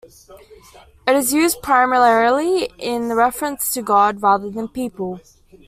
It is used primarily in reference to God, rather than people.